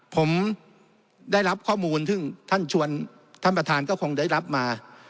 ผมได้รับข้อมูลซึ่งท่านชวนท่านประธานก็คงได้รับมา